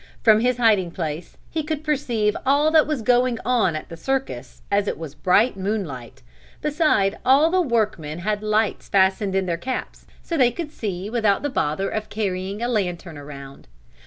From his hiding place he could perceive all that was going on at the circus as it was bright moonlight, beside all the workmen had lights fastened in their caps so they could see without the bother of carrying a lantern around.